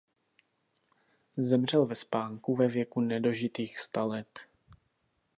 Zemřel ve spánku ve věku nedožitých sta let.